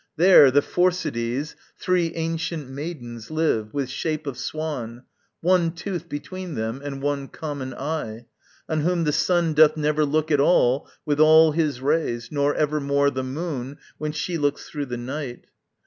There, the Phorcides, Three ancient maidens, live, with shape of swan, One tooth between them, and one common eye: On whom the sun doth never look at all With all his rays, nor evermore the moon When she looks through the night.